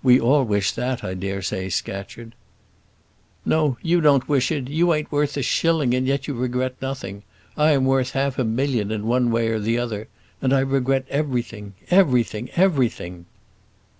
"We all wish that, I dare say, Scatcherd." "No, you don't wish it. You ain't worth a shilling, and yet you regret nothing. I am worth half a million in one way or the other, and I regret everything everything everything!"